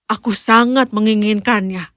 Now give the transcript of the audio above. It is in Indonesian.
aku sangat menginginkannya